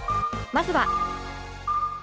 まずは